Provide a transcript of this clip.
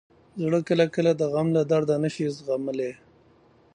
زړه کله کله د غم له درده نه شي زغملی.